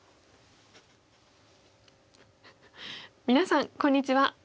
皆さんこんにちは。